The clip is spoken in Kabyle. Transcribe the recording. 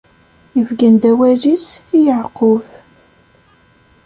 Ibeggen-d awal-is i Yeɛqub.